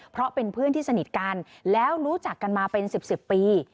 เพราะเป็นเพื่อนที่สนิทกันแล้วรู้จักกันมาเป็น๑๐ปี